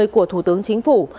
của thủ tướng chính phủ